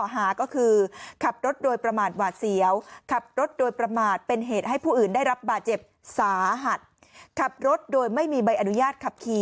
หาก็คือขับรถโดยประมาณวาดเสรียวขับรถโดยประมาณเป็นเหตุให้ผู้อื่นได้รับบาดเจ็บสาหัตถ์